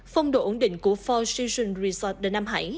phong độ ổn định của four seasons resort đình nam hải